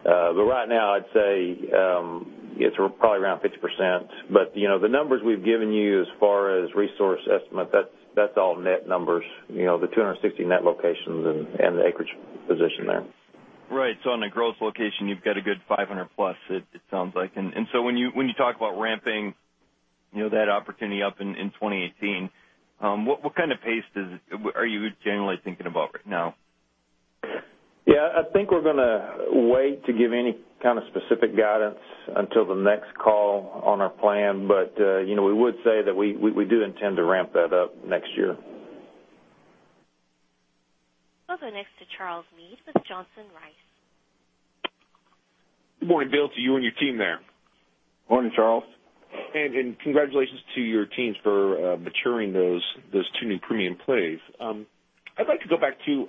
Right now, I'd say it's probably around 50%. The numbers we've given you as far as resource estimate, that's all net numbers, the 260 net locations and the acreage position there. Right. On the gross location, you've got a good 500 plus, it sounds like. When you talk about ramping that opportunity up in 2018, what kind of pace are you generally thinking about right now? Yeah, I think we're going to wait to give any kind of specific guidance until the next call on our plan. We would say that we do intend to ramp that up next year. We'll go next to Charles Meade with Johnson Rice. Good morning, Bill, to you and your team there. Morning, Charles. Congratulations to your teams for maturing those two new premium plays. I'd like to go back to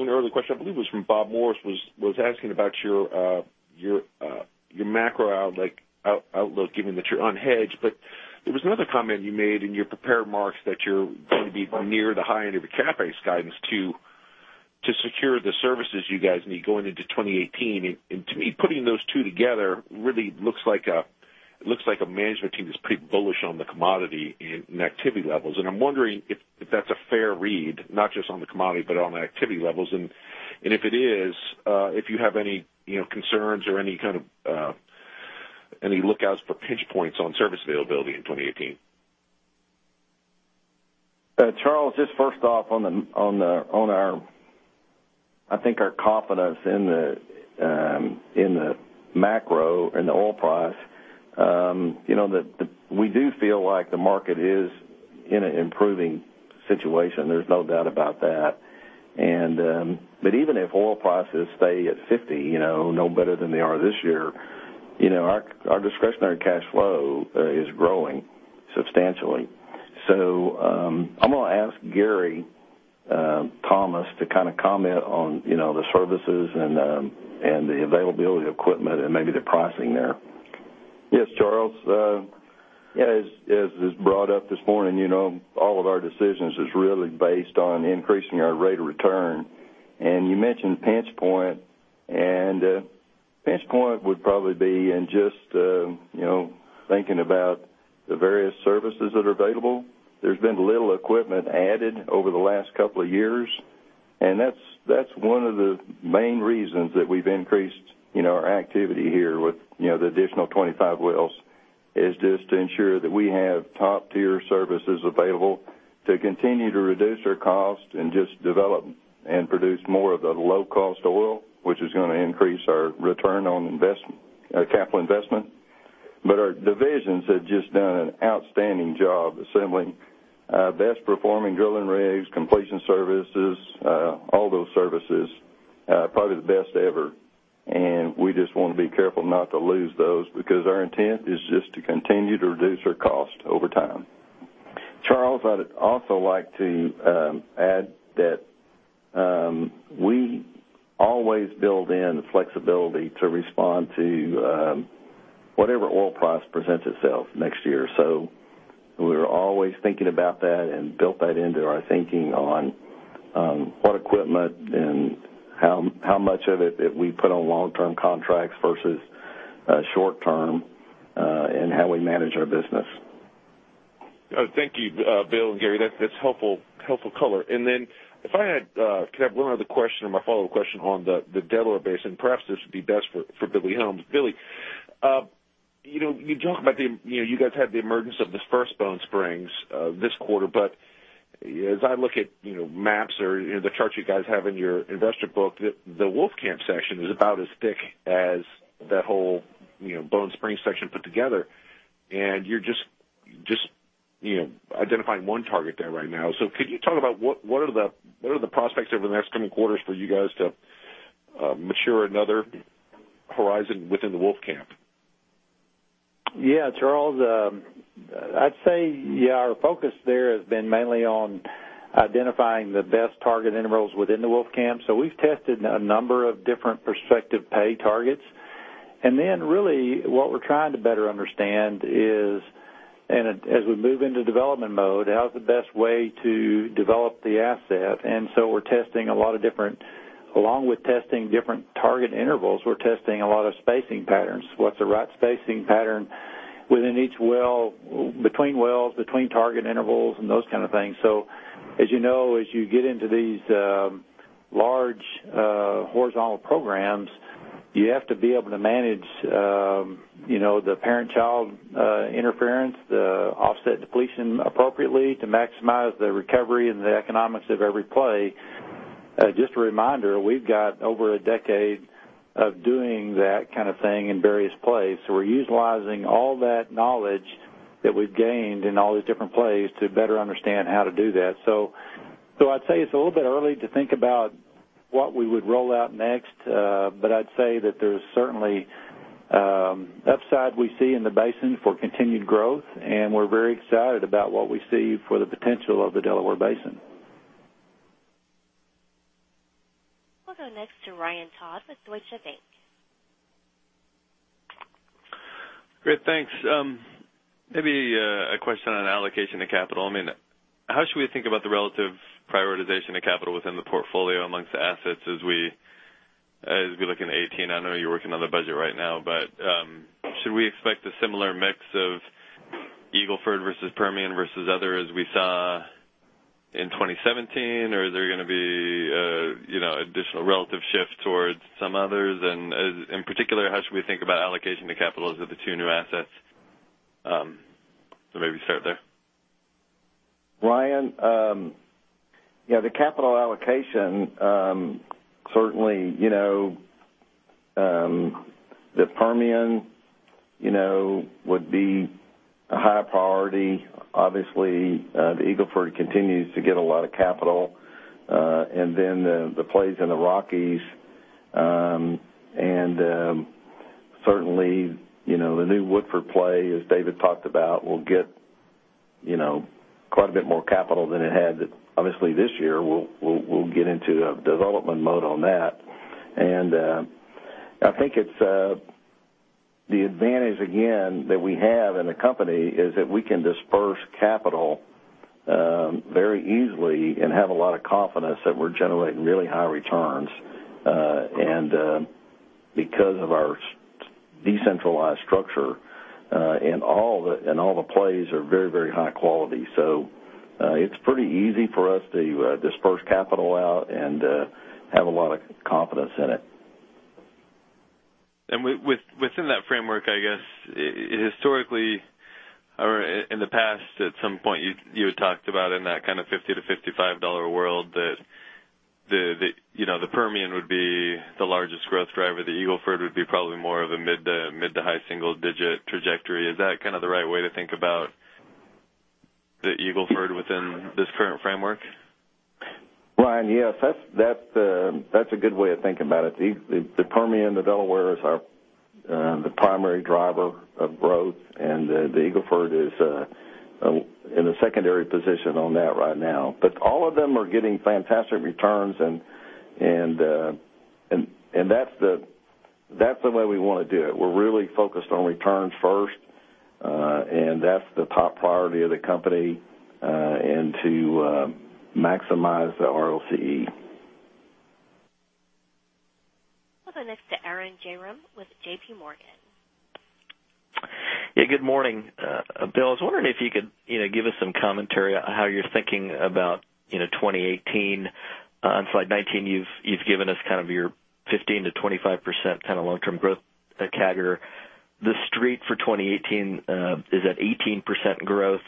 an earlier question, I believe it was from Bob Morris, was asking about your macro outlook, given that you're unhedged. There was another comment you made in your prepared remarks that you're going to be near the high end of your CapEx guidance to secure the services you guys need going into 2018. To me, putting those two together really looks like a management team that's pretty bullish on the commodity and activity levels. I'm wondering if that's a fair read, not just on the commodity, but on the activity levels and if it is, if you have any concerns or any lookouts for pinch points on service availability in 2018. Charles, just first off on our, I think our confidence in the macro and the oil price. We do feel like the market is in an improving situation, there's no doubt about that. Even if oil prices stay at $50, no better than they are this year, our discretionary cash flow is growing substantially. I'm going to ask Gary Thomas to comment on the services and the availability of equipment and maybe the pricing there. Yes, Charles. As is brought up this morning, all of our decisions is really based on increasing our rate of return. You mentioned pinch point, and pinch point would probably be in just thinking about the various services that are available. There's been little equipment added over the last couple of years, and that's one of the main reasons that we've increased our activity here with the additional 25 wells, is just to ensure that we have top-tier services available to continue to reduce our cost and just develop and produce more of the low-cost oil, which is going to increase our return on capital investment. Our divisions have just done an outstanding job assembling best performing drilling rigs, completion services, all those services, probably the best ever. We just want to be careful not to lose those, because our intent is just to continue to reduce our cost over time. Charles, I'd also like to add that we always build in flexibility to respond to whatever oil price presents itself next year. We're always thinking about that and built that into our thinking on what equipment and how much of it that we put on long-term contracts versus short-term, and how we manage our business. Thank you, Bill and Gary. That's helpful color. If I could have one other question or my follow-up question on the Delaware Basin, perhaps this would be best for Billy Helms. Billy, you talked about you guys had the emergence of the first Bone Springs this quarter, but as I look at maps or the charts you guys have in your investor book, the Wolfcamp section is about as thick as that whole Bone Springs section put together. You're just identifying one target there right now. Could you talk about what are the prospects over the next coming quarters for you guys to mature another horizon within the Wolfcamp? Yeah, Charles. I'd say our focus there has been mainly on identifying the best target intervals within the Wolfcamp. We've tested a number of different prospective pay targets. Really what we're trying to better understand is, and as we move into development mode, how's the best way to develop the asset. We're testing a lot of different Along with testing different target intervals, we're testing a lot of spacing patterns. What's the right spacing pattern within each well, between wells, between target intervals, and those kind of things. As you know, as you get into these large horizontal programs, you have to be able to manage the parent-child interference, the offset depletion appropriately to maximize the recovery and the economics of every play. Just a reminder, we've got over a decade of doing that kind of thing in various plays. We're utilizing all that knowledge that we've gained in all these different plays to better understand how to do that. I'd say it's a little bit early to think about what we would roll out next. I'd say that there's certainly upside we see in the basin for continued growth, and we're very excited about what we see for the potential of the Delaware Basin. We'll go next to Ryan Todd with Deutsche Bank. Great. Thanks. Maybe a question on allocation of capital. How should we think about the relative prioritization of capital within the portfolio amongst the assets as we look into 2018? I know you're working on the budget right now, but should we expect a similar mix of Eagle Ford versus Permian versus other, as we saw in 2017? Are there going to be additional relative shifts towards some others? In particular, how should we think about allocation to capitals of the two new assets? Maybe start there. Ryan, the capital allocation, certainly, the Permian would be a high priority. Obviously, the Eagle Ford continues to get a lot of capital. Then the plays in the Rockies, and certainly the new Woodford play, as David talked about, will get quite a bit more capital than it had obviously this year. We'll get into development mode on that. I think it's the advantage again that we have in the company is that we can disperse capital very easily and have a lot of confidence that we're generating really high returns because of our Decentralized structure, all the plays are very, very high quality. It's pretty easy for us to disperse capital out and have a lot of confidence in it. Within that framework, I guess, historically or in the past, at some point you had talked about in that kind of $50-$55 world that the Permian would be the largest growth driver. The Eagle Ford would be probably more of a mid to high single digit trajectory. Is that the right way to think about the Eagle Ford within this current framework? Ryan, yes. That's a good way of thinking about it. The Permian, the Delaware is the primary driver of growth, and the Eagle Ford is in a secondary position on that right now. But all of them are getting fantastic returns, and that's the way we want to do it. We're really focused on returns first, and that's the top priority of the company, to maximize the ROCE. We'll go next to Arun Jayaram with JPMorgan. Yeah. Good morning, Bill. I was wondering if you could give us some commentary on how you're thinking about 2018. On slide 19, you've given us your 15%-25% long-term growth, the CAGR. The Street for 2018 is at 18% growth.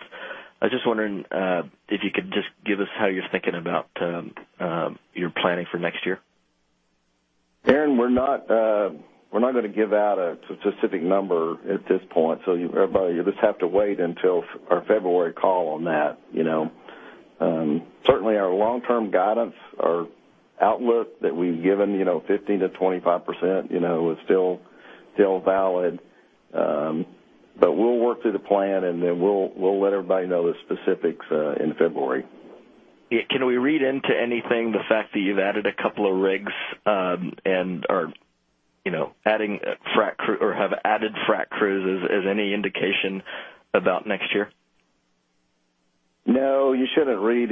I was just wondering if you could just give us how you're thinking about your planning for next year. Arun, we're not going to give out a specific number at this point, so everybody, you'll just have to wait until our February call on that. Certainly our long-term guidance or outlook that we've given, 15%-25%, is still valid. We'll work through the plan, and then we'll let everybody know the specifics in February. Yeah. Can we read into anything the fact that you've added a couple of rigs, or have added frac crews as any indication about next year? No, you shouldn't read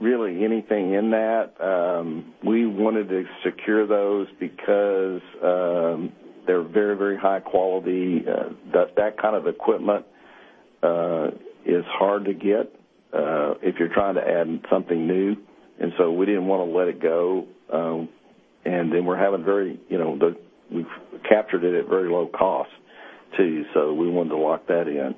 really anything in that. We wanted to secure those because they're very, very high quality. That kind of equipment is hard to get if you're trying to add something new. We didn't want to let it go. We've captured it at very low cost too, so we wanted to lock that in.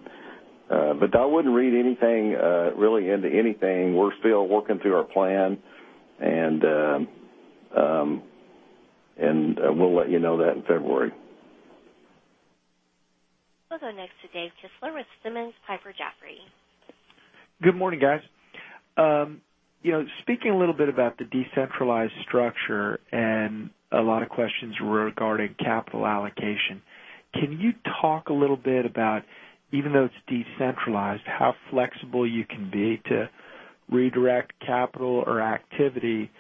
I wouldn't read really into anything. We're still working through our plan, and we'll let you know that in February. We'll go next to David Kistler with Simmons Piper Jaffray. Good morning, guys. Speaking a little bit about the decentralized structure and a lot of questions regarding capital allocation, can you talk a little bit about, even though it's decentralized, how flexible you can be to redirect capital or activity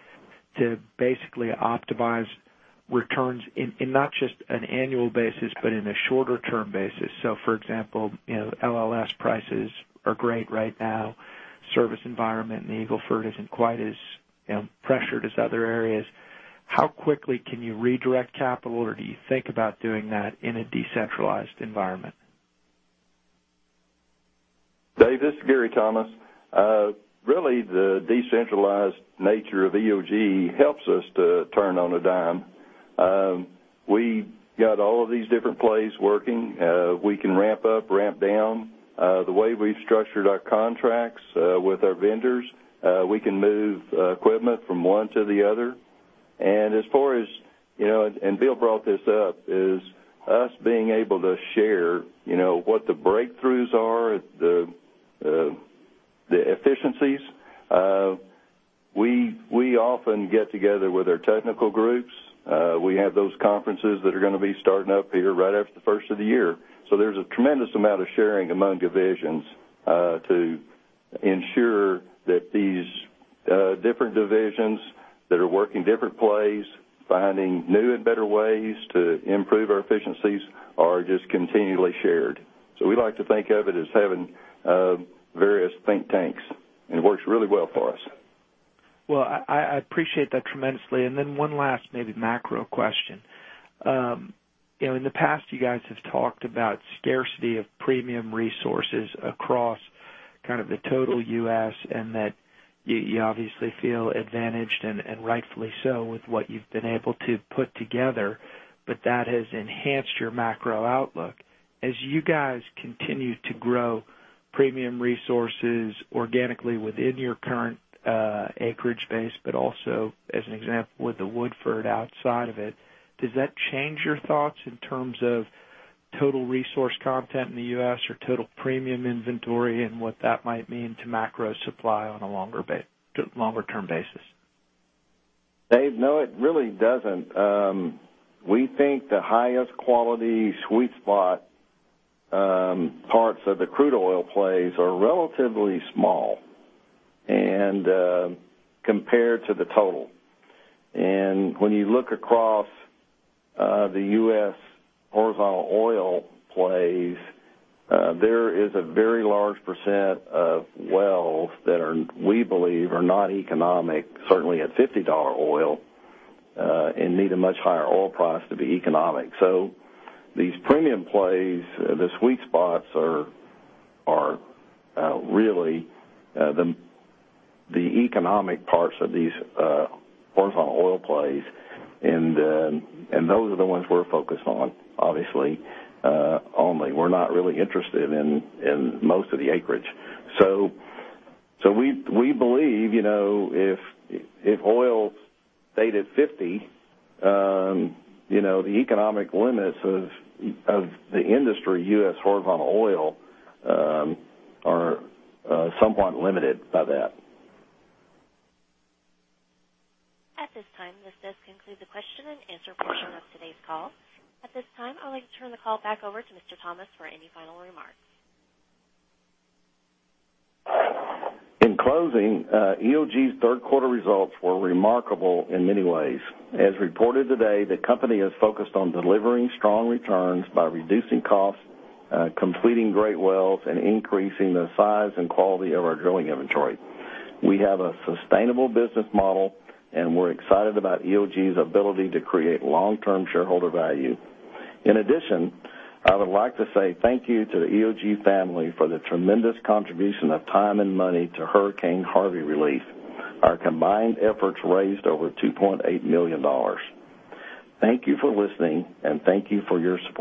to basically optimize returns in not just an annual basis, but in a shorter term basis? For example, LLS prices are great right now. Service environment in the Eagle Ford isn't quite as pressured as other areas. How quickly can you redirect capital, or do you think about doing that in a decentralized environment? David, this is Gary Thomas. Really, the decentralized nature of EOG helps us to turn on a dime. We got all of these different plays working. We can ramp up, ramp down. The way we've structured our contracts with our vendors, we can move equipment from one to the other. Bill brought this up, is us being able to share what the breakthroughs are, the efficiencies. We often get together with our technical groups. We have those conferences that are going to be starting up here right after the first of the year. There's a tremendous amount of sharing among divisions to ensure that these different divisions that are working different plays, finding new and better ways to improve our efficiencies, are just continually shared. We like to think of it as having various think tanks, and it works really well for us. Well, I appreciate that tremendously. Then one last maybe macro question. In the past, you guys have talked about scarcity of premium resources across the total U.S., and that you obviously feel advantaged, and rightfully so, with what you've been able to put together, but that has enhanced your macro outlook. As you guys continue to grow premium resources organically within your current acreage base, but also, as an example, with the Woodford outside of it, does that change your thoughts in terms of total resource content in the U.S. or total premium inventory, and what that might mean to macro supply on a longer term basis? Dave, no, it really doesn't. We think the highest quality sweet spot parts of the crude oil plays are relatively small compared to the total. When you look across the U.S. horizontal oil plays, there is a very large % of wells that we believe are not economic, certainly at $50 oil, and need a much higher oil price to be economic. These premium plays, the sweet spots, are really the economic parts of these horizontal oil plays, and those are the ones we're focused on, obviously, only. We're not really interested in most of the acreage. We believe if oil stayed at 50, the economic limits of the industry, U.S. horizontal oil, are somewhat limited by that. At this time, this does conclude the question and answer portion of today's call. At this time, I'd like to turn the call back over to Mr. Thomas for any final remarks. In closing, EOG's third quarter results were remarkable in many ways. As reported today, the company is focused on delivering strong returns by reducing costs, completing great wells, and increasing the size and quality of our drilling inventory. We have a sustainable business model. We're excited about EOG's ability to create long-term shareholder value. In addition, I would like to say thank you to the EOG family for the tremendous contribution of time and money to Hurricane Harvey relief. Our combined efforts raised over $2.8 million. Thank you for listening. Thank you for your support.